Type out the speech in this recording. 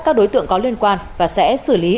các đối tượng có liên quan và sẽ xử lý